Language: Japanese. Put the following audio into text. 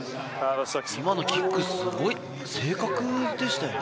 今のキック、すごい正確でしたよね。